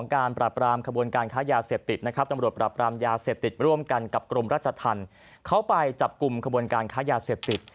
การปราบรามขบวนการค้ายาเสพติดนะครับตำรวจปราบรามยาเสพติดร่วมกันกับกรมราชธรรมเขาไปจับกลุ่มขบวนการค้ายาเสพติด